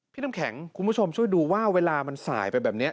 น้ำแข็งคุณผู้ชมช่วยดูว่าเวลามันสายไปแบบนี้